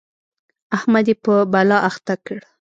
احمد يې په بلا اخته کړ.